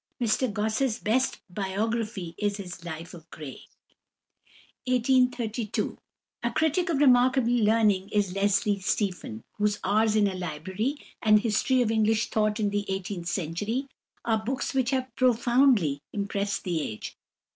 Mr Gosse's best biography is his "Life of Gray." A critic of remarkable learning is =Leslie Stephen (1832 )=, whose "Hours in a Library" and "History of English Thought in the Eighteenth Century" are books which have profoundly impressed the age.